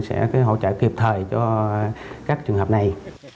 sẽ có cái hỗ trợ kịp thời cho các trường hợp này